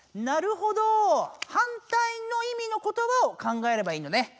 なるほど反対の意味のことばを考えればいいのね。